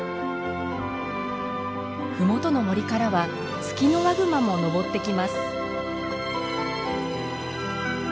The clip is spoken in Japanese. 麓の森からはツキノワグマものぼってきます。